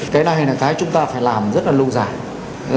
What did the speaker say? cái này là cái chúng ta phải làm rất là lâu dài